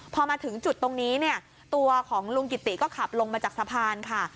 พอมาถึงจุดตรงนี้เนี่ยตัวของลุงกิติก็ขับลงมาจากสะพานค่ะ